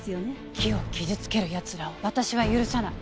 木を傷つける奴らを私は許さない。